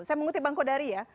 saya mengutip bang kodari ya